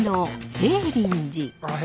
平林寺